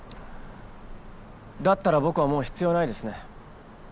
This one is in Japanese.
だったら僕はもう必要ないですね。